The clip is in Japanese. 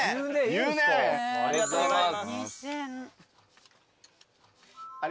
［ゆう姉ありがとうございます］